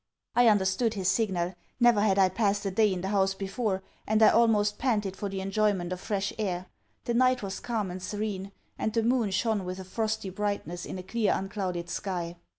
I understood his signal. Never had I passed a day in the house before; and I almost panted for the enjoyment of fresh air. The night was calm and serene; and the moon shone with a frosty brightness in a clear unclouded sky.